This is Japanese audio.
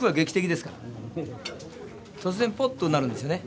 突然ぽっとなるんですよね。